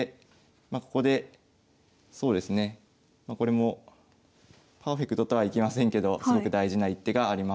まあここでそうですねこれもパーフェクトとはいきませんけどすごく大事な一手があります。